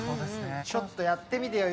ちょっとやってみてよ